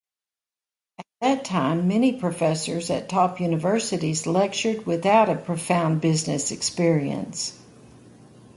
At that time many professors at top universities lectured without a profound business experience.